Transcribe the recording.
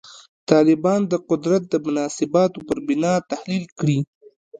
طالبان د قدرت د مناسباتو پر بنا تحلیل کړي.